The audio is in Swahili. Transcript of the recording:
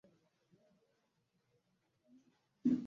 alipendelea kutumia muda wake mwingi katika shughuli za michezo